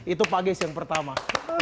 itu pak gies yang pertama